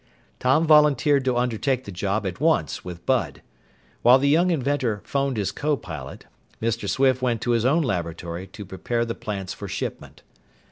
Tom volunteered to undertake the job at once with Bud. While the young inventor phoned his copilot, Mr. Swift went to his own laboratory to prepare the plants for shipment.